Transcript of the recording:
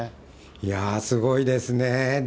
いやぁ、すごいですねぇ。